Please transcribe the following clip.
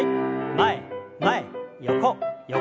前前横横。